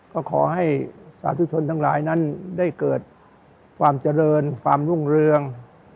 ก็ขอให้สาธุชนทั้งหลายนั้นได้เกิดความเจริญความรุ่งเรือง